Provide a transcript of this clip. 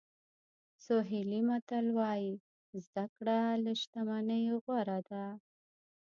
سوهیلي متل وایي زده کړه له شتمنۍ غوره ده.